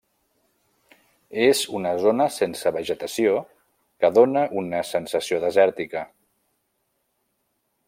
És una zona sense vegetació que dóna una sensació desèrtica.